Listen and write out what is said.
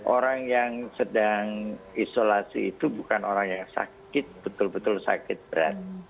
orang yang sedang isolasi itu bukan orang yang sakit betul betul sakit berat